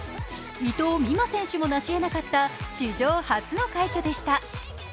伊藤美誠選手もなし得なかった史上初の快挙でした。